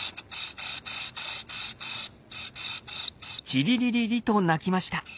「チリリリリ」と鳴きました。